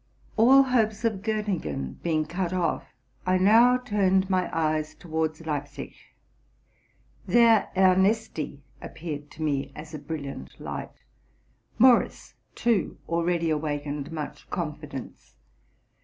All hopes of Gottingen being cut off, I now turned my 200 TRUTH AND FICTION eyes towards Leipzig. There Ernesti appeared to me as a brilliant light: Morus, too, already awakened much confi dence.